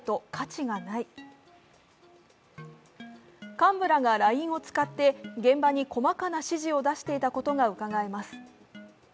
幹部らがＬＩＮＥを使って現場に細かな指示を出していたことがうかがえます。